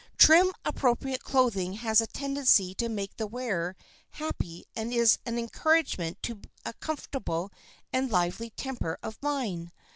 Trim appropriate clothing has a tendency to make the wearer happy and is an encouragement to a comfortable and lively temper of mind.